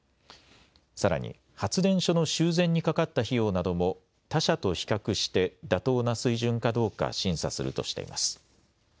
さらに発電所の修繕にかかった費用なども他社と比較して妥当な水準かどうか審査するとしています。